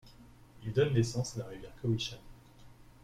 Il donne naissance à la rivière Cowichan.